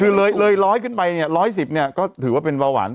คือเลยร้อยขึ้นไปเนี่ย๑๑๐เนี่ยก็ถือว่าเป็นเบาหวาน